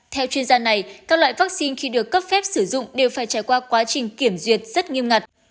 theo chuyên gia này các loại vaccine khi được cấp phép sử dụng đều phải trải qua quá trình kiểm duyệt rất nghiêm ngặt